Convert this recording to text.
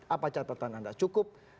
apa catatan anda cukup